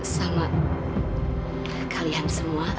sama kalian semua